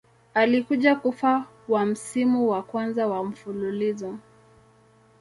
Alikuja kufa wa msimu wa kwanza wa mfululizo.